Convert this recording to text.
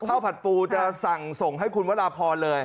ผัดปูจะสั่งส่งให้คุณวราพรเลย